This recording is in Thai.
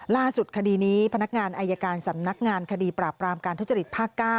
คดีนี้พนักงานอายการสำนักงานคดีปราบรามการทุจริตภาค๙